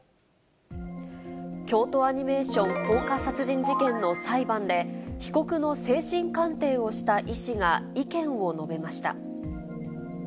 京都アニメーション放火殺人事件の裁判で、被告の精神鑑定をした医師が意見を述べました。